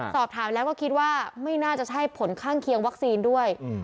สอบถามแล้วก็คิดว่าไม่น่าจะใช่ผลข้างเคียงวัคซีนด้วย